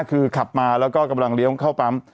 คือคับมาลงเรียงเข้าปั๊ม